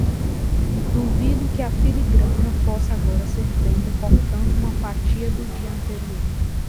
Duvido que a filigrana possa agora ser feita cortando uma fatia do dia anterior.